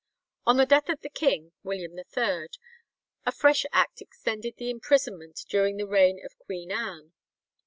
On the death of the king (William III), a fresh act extended the imprisonment during the reign of Queen Anne.